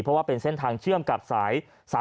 เพราะว่าเป็นเส้นทางเชื่อมกับสาย๓๔